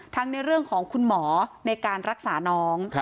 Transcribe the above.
ในเรื่องของคุณหมอในการรักษาน้อง